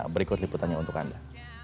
berikut liputannya untuk anda